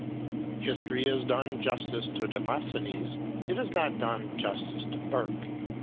History has done justice to Demosthenes, it has not done justice to Burke.